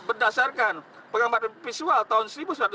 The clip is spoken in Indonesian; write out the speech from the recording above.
hanya berdasarkan pengamatan visual tahun seribu sembilan ratus enam puluh tiga